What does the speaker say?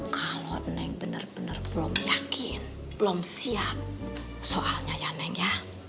kalau neng bener bener belum yakin belum siap soalnya ya neng ya